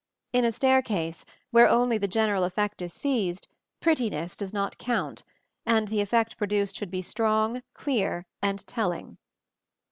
In a staircase, where only the general effect is seized, prettiness does not count, and the effect produced should be strong, clear and telling.